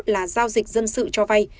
là giao dịch dân sự cho vay